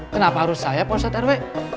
kenapa harus saya pak ustadz rw